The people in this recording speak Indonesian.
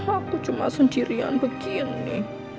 aku cuma sendirian begini